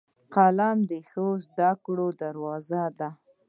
قلم د ښو زدهکړو دروازه ده